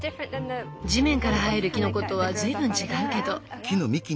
地面から生えるキノコとは随分違うけど。